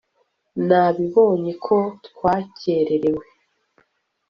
nabibonye ko twakererewe